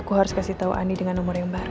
aku harus kasih tau andi dengan nomor yang baru